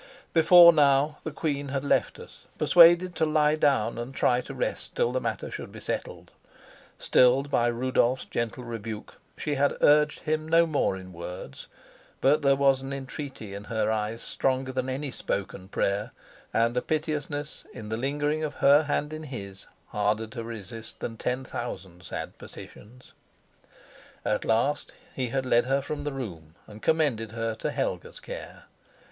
Before now the queen had left us, persuaded to lie down and try to rest till the matter should be settled. Stilled by Rudolf's gentle rebuke, she had urged him no more in words, but there was an entreaty in her eyes stronger than any spoken prayer, and a piteousness in the lingering of her hand in his harder to resist than ten thousand sad petitions. At last he had led her from the room and commended her to Helga's care.